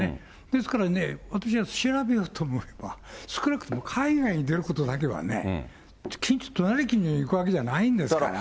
ですからね、私は調べようと思えば、少なくとも海外に出ることだけはね、隣近所に行くわけじゃないんですから。